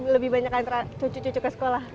lebih banyak antara cucu cucu ke sekolah